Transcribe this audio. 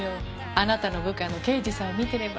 あなたの部下の刑事さんを見てれば。